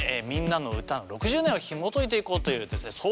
「みんなのうた」の６０年をひもといていこうというですね